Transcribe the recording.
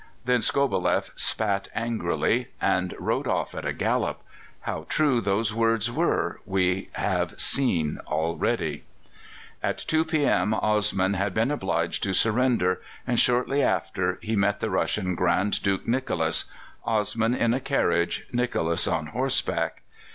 Then Skobeleff spat angrily and rode off at a gallop. How true those words were we have seen already. At 2 p.m. Osman had been obliged to surrender, and shortly after he met the Russian Grand Duke Nicholas Osman in a carriage, Nicholas on horseback.